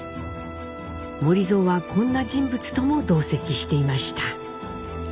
守造はこんな人物とも同席していました。